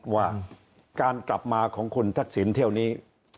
ว่าการกลับมาของคุณทักศิลป์เท่านี้